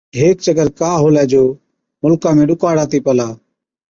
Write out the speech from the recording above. هيڪ چڪر ڪا هُلَي جو مُلڪا ۾ ڏُڪاڙ آتِي پلا۔